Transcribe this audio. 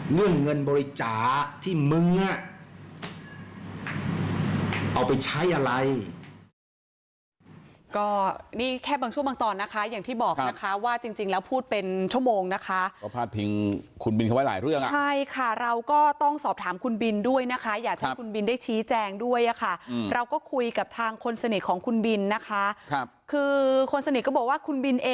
เรื่องเงินบริจาที่มึงเอาไปใช้อะไร